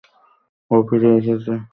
ও ফিরে এসেছে।